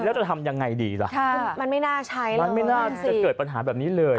แล้วจะทำยังไงดีล่ะมันไม่น่าใช้มันไม่น่าจะเกิดปัญหาแบบนี้เลย